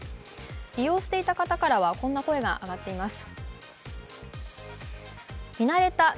利用していた方からは、こんな声が上がっています。